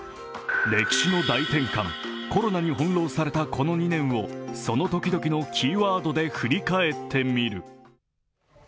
歴史の大転換、コロナに翻弄されたこの２年をその時々のキーワードで振り返ってみる。